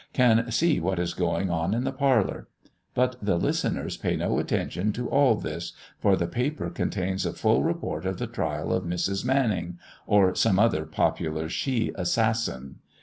can see what is going on in the parlour; but the listeners pay no attention to all this, for the paper contains a full report of the trial of Mrs. Manning, or some other popular she assassin.